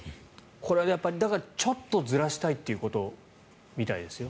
だから、ちょっとずらしたいっていうことみたいですよ。